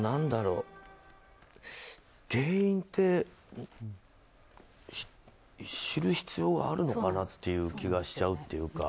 原因って知る必要あるのかなという気がしちゃうというか。